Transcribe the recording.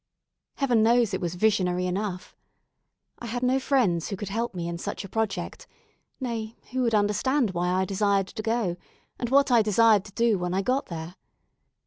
Heaven knows it was visionary enough! I had no friends who could help me in such a project nay, who would understand why I desired to go, and what I desired to do when I got there.